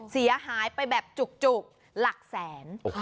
เสียหายไปแบบจุกหลักแสน